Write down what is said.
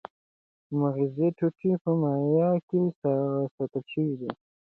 مغزي ټوټې په مایع کې ساتل شوې دي.